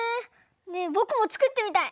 ねえぼくもつくってみたい。